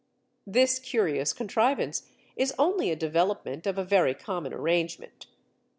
This curious contrivance is only a development of a very common arrangement.